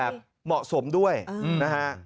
แบบเหมาะสมด้วยนะคะ